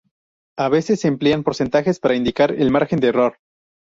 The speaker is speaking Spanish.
A veces se emplean porcentajes para indicar el margen de error.